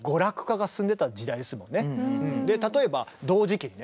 例えば同時期にね